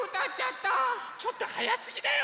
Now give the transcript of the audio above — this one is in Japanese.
ちょっとはやすぎだよ！